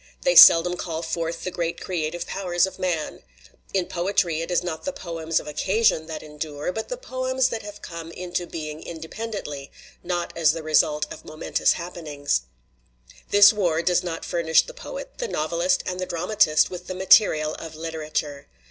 They seldom call forth the great creative powers of man. In poetry it is not the poems of occasion that endure, but the poems that have come into being inde pendently, not as the result of momentous hap penings. "This war does not furnish the poet, the novelist, and the dramatist with the material of literature.